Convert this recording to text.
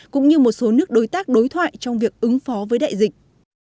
cũng như một số nước đối tác đối thoại trong việc ứng phó với đại dịch